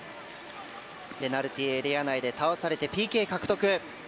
ペナルティーエリア内で倒されてＰＫ獲得。